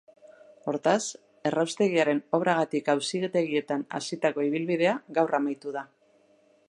Hortaz, erraustegiaren obragatik auzitegietan hasitako ibilbidea gaur amaitu da.